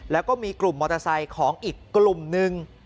แล้วก็มีกลุ่มมอเตอร์ไซค์ของอีกกลุ่มนึง